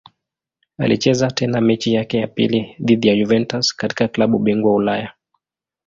Alicheza tena mechi yake ya pili dhidi ya Juventus katika klabu bingwa Ulaya.